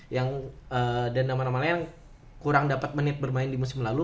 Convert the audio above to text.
yang dan nama nama lain yang kurang dapat menit bermain di musim lalu